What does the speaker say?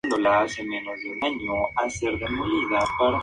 Se quedan en el medio de su tela día y noche.